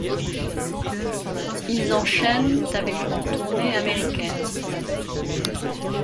Ils enchaînent avec une tournée américaine.